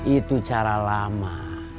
itu cara lama